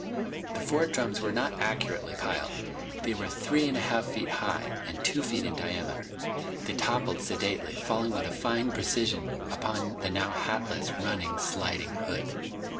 The four drums were not accurately piled. They were three and a half feet high and two feet in diameter. They toppled sedately, falling with a fine precision upon the now hatless, running, sliding hood.